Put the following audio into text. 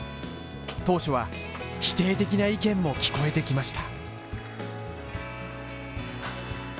当初は否定的な意見も聞こえてきました。